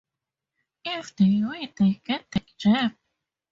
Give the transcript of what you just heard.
If they win, they get the gem.